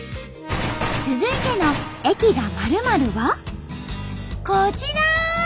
続いての「駅が○○」はこちら！